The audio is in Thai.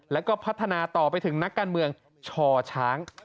แล้วก็พัฒนาต่อไปถึงนักการเมืองช่อช้าง